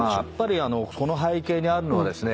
この背景にあるのはですね